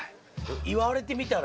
言われてみたら。